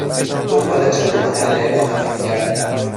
دنبال چه نوع محل اقامتی می گردید؟